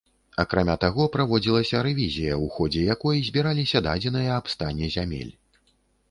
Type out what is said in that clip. Акрамя таго, праводзілася рэвізія, у ходзе якой збіраліся дадзеныя аб стане зямель.